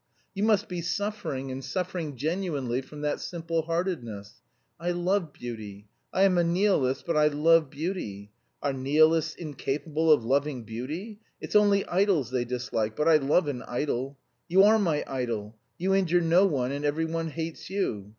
You must be suffering and suffering genuinely from that simple heartedness. I love beauty. I am a nihilist, but I love beauty. Are nihilists incapable of loving beauty? It's only idols they dislike, but I love an idol. You are my idol! You injure no one, and every one hates you.